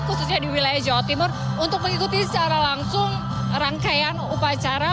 khususnya di wilayah jawa timur untuk mengikuti secara langsung rangkaian upacara